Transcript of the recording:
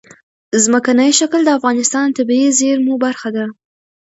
ځمکنی شکل د افغانستان د طبیعي زیرمو برخه ده.